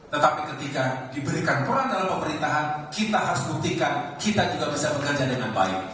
tetapi ketika diberikan peran dalam pemerintahan kita harus buktikan kita juga bisa bekerja dengan baik